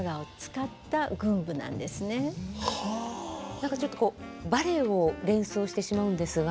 何かちょっとこうバレエを連想してしまうんですが。